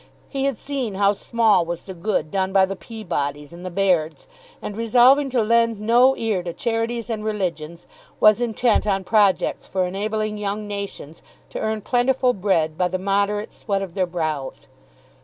He had seen how small was the good done by the Peabodys and the Bairds, and, resolving to lend no ear to charities and religions, was intent on projects for enabling young nations to earn plentiful bread by the moderate sweat of their brows.